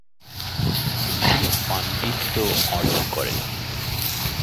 তিনি পাণ্ডিত্য অর্জন করেন।